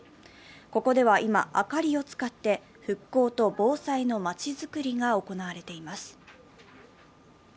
ここでは今、明かりを使って復興と防災の町づくりが行われています。